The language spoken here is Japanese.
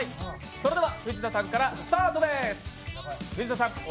それでは藤田さんからスタ−トです。